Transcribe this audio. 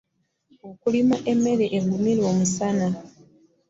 Okulima emmere egumira omusaana.